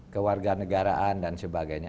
kewarga negaraan dan sebagainya